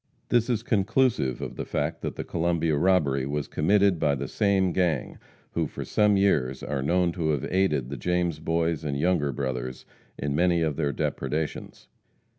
This is conclusive of the fact that the Columbia robbery was committed by the same gang, who for some years are known to have aided the James Boys and Younger Brothers in many of their depredations.